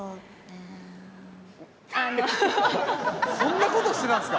そんな事してたんですか？